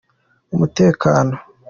umutekano.